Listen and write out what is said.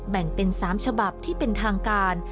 แบ่งเป็น๓ฉบับที่เป็นทางการ